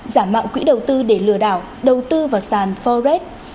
giả mạo quỹ đầu tư để lừa đảo đầu tư vào sàn forex